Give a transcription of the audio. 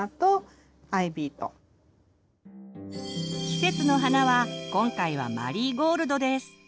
季節の花は今回はマリーゴールドです。